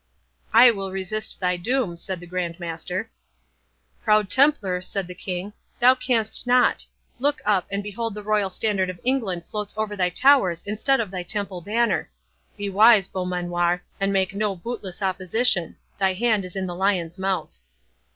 "I will resist thy doom," said the Grand Master. "Proud Templar," said the King, "thou canst not—look up, and behold the Royal Standard of England floats over thy towers instead of thy Temple banner!—Be wise, Beaumanoir, and make no bootless opposition—Thy hand is in the lion's mouth."